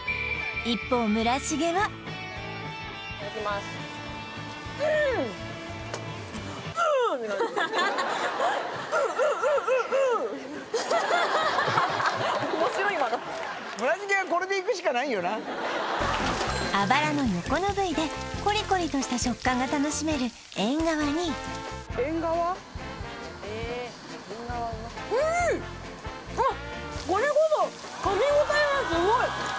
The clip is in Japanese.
すげえなあばらの横の部位でコリコリとした食感が楽しめるエンガワにうーんっ